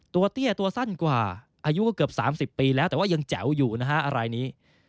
เตี้ยตัวสั้นกว่าอายุก็เกือบ๓๐ปีแล้วแต่ว่ายังแจ๋วอยู่นะฮะอะไรนี้